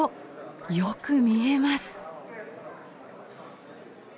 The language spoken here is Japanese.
よく見えます。